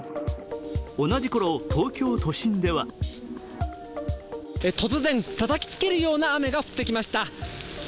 同じ頃、東京都心では突然、たたきつけるような雨が降ってきました。